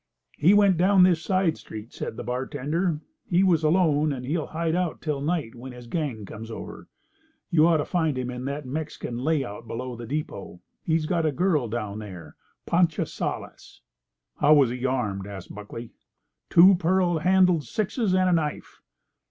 "He went down this side street," said the bartender. "He was alone, and he'll hide out till night when his gang comes over. You ought to find him in that Mexican lay out below the depot. He's got a girl down there—Pancha Sales." "How was he armed?" asked Buckley. "Two pearl handled sixes, and a knife."